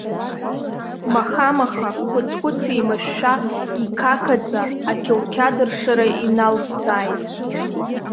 Маха-маха, хәыц-хәыц еимышәшәа, иқақаӡа, ақьауқьад ршыра иналзбааит.